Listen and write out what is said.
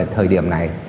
thời điểm này